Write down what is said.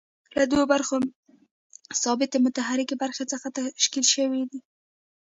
له دوو برخو ثابتې او متحرکې برخې څخه تشکیل شوې ده.